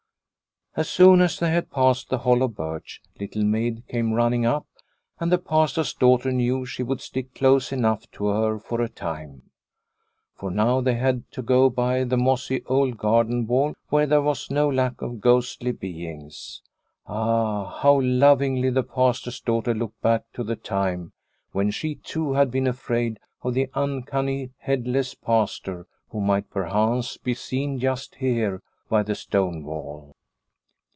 As soon as they had passed the hollow birch, Little Maid came running up, and the Pastor's daughter knew she would stick close enough to her for a time. For now they had to go by the mossy old garden wall where there was no lack of ghostly beings. Ah, how lovingly the Pastor's daughter looked back to the time when she too had been afraid of the uncanny headless Pastor who might perchance be seen just here by the stone wall